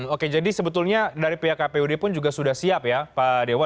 oke jadi sebetulnya dari pihak kpud pun juga sudah siap ya pak dewa